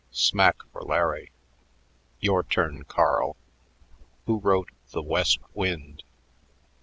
"Smack for Larry. Your turn, Carl. Who wrote 'The West Wind'?"